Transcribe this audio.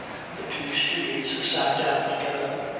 The two students sat down together.